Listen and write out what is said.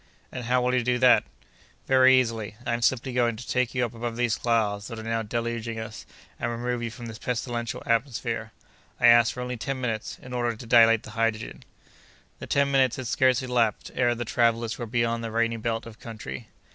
"And how will you do that?" "Very easily. I am simply going to take you up above these clouds that are now deluging us, and remove you from this pestilential atmosphere. I ask for only ten minutes, in order to dilate the hydrogen." The ten minutes had scarcely elapsed ere the travellers were beyond the rainy belt of country.